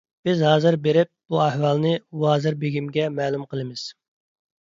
بىز ھازىر بېرىپ، بۇ ئەھۋالنى ۋازىر بېگىمگە مەلۇم قىلىمىز.